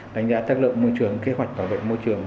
đánh giá tất lượng môi trường kế hoạch bảo vệ môi trường